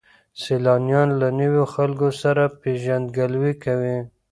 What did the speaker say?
سیلانیان له نویو خلکو سره پیژندګلوي کوي.